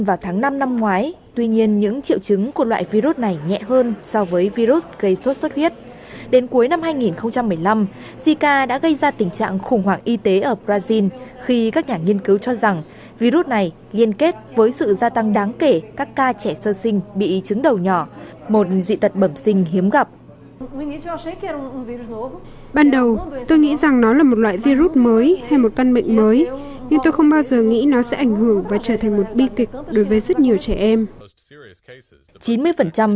ban đầu tôi nghĩ rằng nó là một loại virus mới hay một căn bệnh mới nhưng tôi không bao giờ nghĩ nó sẽ ảnh hưởng và trở thành một bi kịch đối với rất nhiều trẻ em